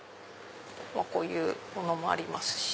こういうものもありますし。